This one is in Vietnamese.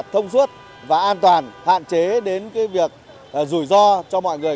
thông suốt và an toàn hạn chế đến việc rủi ro cho mọi người